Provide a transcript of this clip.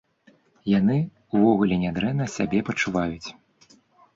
Яны, увогуле нядрэнна сябе пачуваюць.